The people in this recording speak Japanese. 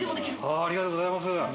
ありがとうございます。